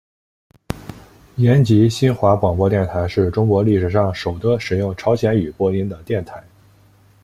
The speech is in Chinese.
延吉新华广播电台是中国历史上首个使用朝鲜语播音的电台。